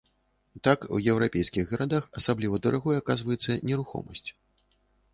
Так, у еўрапейскіх гарадах асабліва дарагой аказваецца нерухомасць.